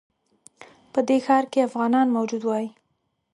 په دې ښار کې افغانان موجود وای.